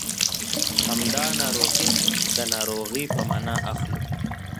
همدا ناروغي د ناروغۍ په مانا اخلو.